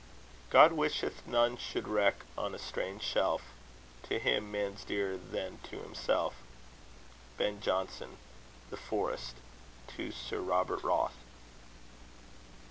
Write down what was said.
God wisheth none should wreck on a strange shelf: To Him man's dearer than to himself. BEN Jonson. The Forest: To Sir Robert Wroth.